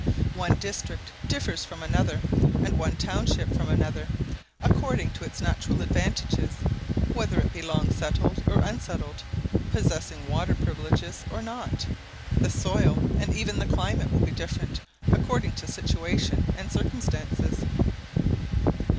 One district differs from another, and one township from another, according to its natural advantages; whether it be long settled or unsettled, possessing water privileges or not; the soil and even the climate will be different, according to situation and circumstances.